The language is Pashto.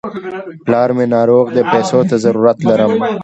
پلار مې ناروغ دی، پيسو ته ضرورت لرم.